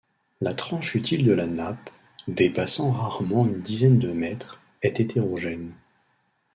La tranche utile de la nappe, dépassant rarement une dizaine de mètres, est hétérogène.